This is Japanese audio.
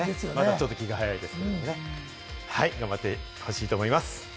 ちょっと気が早いですけど、頑張ってほしいと思います。